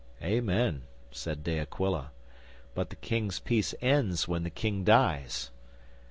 '"Amen," said De Aquila. "But the King's peace ends when the King dies."